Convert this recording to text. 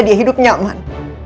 dia hidup nyaman